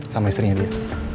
sama istrinya dia